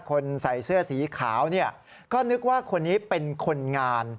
คนใส่เสื้อสีขาวเนี่ยก็นึกว่าคนนี้เป็นคนงาน